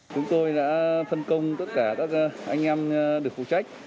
chúng tôi đã phân công tất cả các anh em được phụ trách